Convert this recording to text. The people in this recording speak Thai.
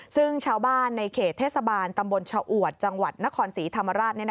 ซึ่งชาวบ้านในเขตเทศบาลตำบลชะอวดจังหวัดนครศรีธรรมราช